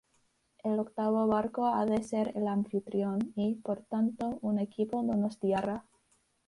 El octavo barco ha de ser el anfitrión y, por tanto, un equipo donostiarra.